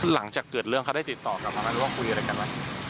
หลังจากเกิดเรื่องเขาได้ติดต่อกลับมาไหมหรือว่าคุยอะไรกันไหม